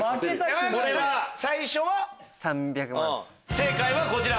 正解はこちら。